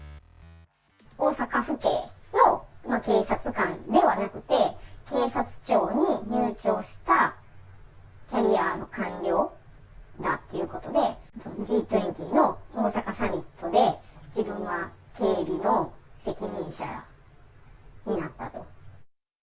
大阪府警の警察官ではなくて、警察庁に入庁したキャリアの官僚だっていうことで、Ｇ２０の大阪サミットで、自分は警備の責任者になったと。